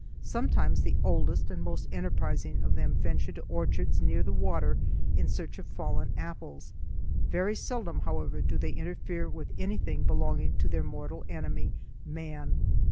Sometimes the oldest and most enterprising of them venture to orchards near the water in search of fallen apples; very seldom, however, do they interfere with anything belonging to their mortal enemy man.